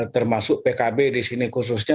termasuk pkb di sini khususnya